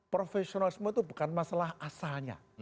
profesionalisme itu bukan masalah asalnya